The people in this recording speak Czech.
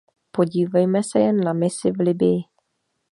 Podívejme se jen na misi v Libyi.